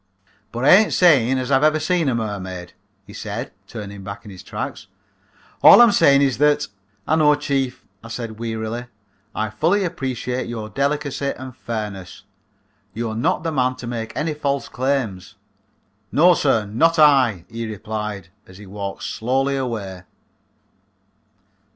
"But I ain't saying as I have ever seen a mermaid," he said, turning back in his tracks, "all I'm saying is that " "I know, Chief," I said wearily, "I fully appreciate your delicacy and fairness. You're not the man to make any false claims." "No, sir, not I," he replied, as he walked slowly away.